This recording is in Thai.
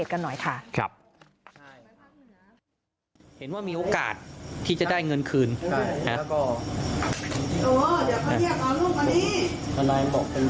เธอนายบอกเป็นธรรมสิทธิ์แล้ว